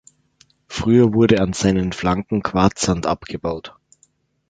Früher wurde an seinen Flanken Quarzsand abgebaut.